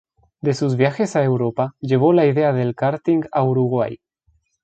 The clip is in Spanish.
De sus viajes a Europa, llevó la idea del karting a Uruguay.